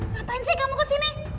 ngapain sih kamu kesini